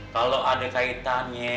kalau ada kaitannya